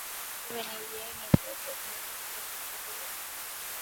তবে নিজেই নিজের রোগ নির্ণয় করার চেষ্টা করবেন না।